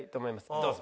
どうぞ。